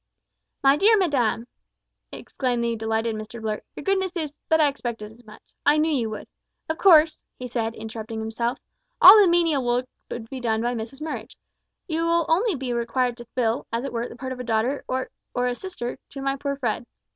"My dear madam," exclaimed the delighted Mr Blurt, "your goodness is but I expected as much. I knew you would. Of course," he said, interrupting himself, "all the menial work will be done by Mrs Murridge. You will be only required to fill, as it were, the part of a daughter or or a sister to my poor Fred.